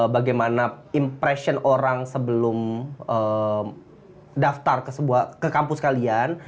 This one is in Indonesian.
bagaimana impression orang sebelum daftar ke kampus kalian